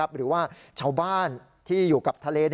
หรือว่าชาวบ้านที่อยู่กับทะเล